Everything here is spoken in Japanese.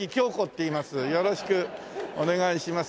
よろしくお願いします。